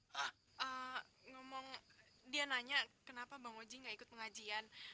pak ngomong dia nanya kenapa bang oji gak ikut pengajian